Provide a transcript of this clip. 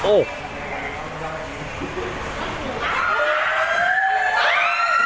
โอ๊ย